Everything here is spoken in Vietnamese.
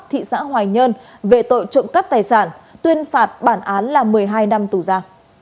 thị xã hoài nhân về tội trộm cấp tài sản tuyên phạt bản án là một mươi hai năm tù gia